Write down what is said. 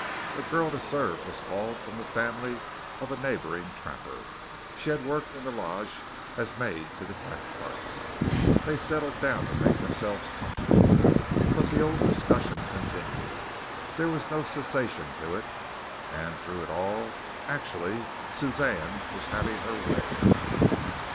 A girl to serve was called from the family of a neighboring trapper. She had worked in the lodge as maid to the Cathcarts. They settled down to make themselves comfortable, but the old discussion continued. There was no cessation to it, and through it all, actually, Suzanne was having her way.